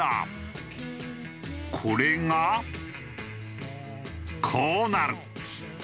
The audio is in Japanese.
これがこうなる。